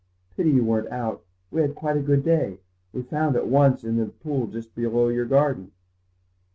"Pity you weren't out; we had quite a good day. We found at once, in the pool just below your garden."